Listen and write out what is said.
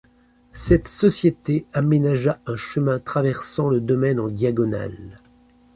Cette société aménagea un chemin traversant le domaine en diagonale.